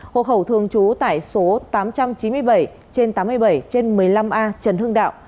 hộ khẩu thường trú tại số tám trăm chín mươi bảy trên tám mươi bảy trên một mươi năm a trần hưng đạo